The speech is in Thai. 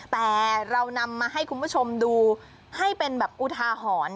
แต่เรานำมาให้คุณผู้ชมดูให้เป็นแบบอุทาหรณ์